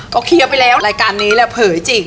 ก็เคลียร์ไปแล้วรายการนี้แหละเผยจริง